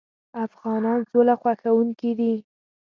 افغانان سوله خوښوونکي دي.